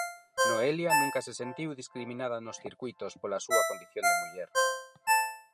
Noelia nunca se sentiu discriminada nos circuítos pola súa condición de muller.